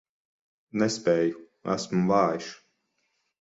Nespēju, esmu vājš.